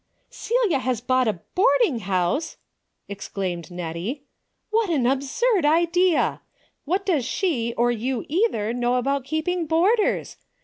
" Celia has bought a boarding house !" ex claimed Nettie. " What an absurd idea ! What does she or you either know about keeping boarders